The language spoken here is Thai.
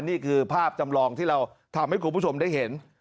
นี่คือภาพจำลองที่เราทำให้คุณผู้ชมได้เห็น